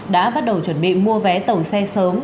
đã bắt đầu chuẩn bị mua vé tàu xe sớm